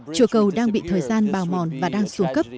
chùa cầu đang bị thời gian bào mòn và đang xuống cấp